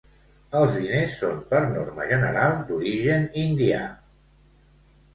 Els diners són per norma general d'origen indià.